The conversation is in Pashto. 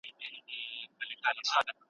هغه غواړي د يوې باسواده نجلۍ سره واده وکړي.